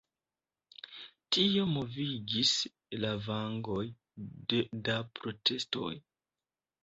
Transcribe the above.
Tio movigis lavangon da protestoj.